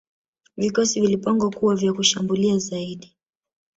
vikosi vilipangwa kuwa vya kushambulia zaidi